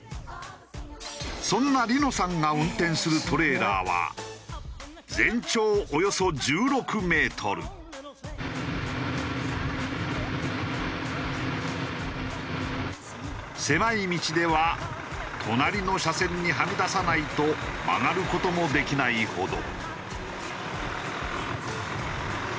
そんな梨乃さんが運転するトレーラーは狭い道では隣の車線にはみ出さないと曲がる事もできないほど。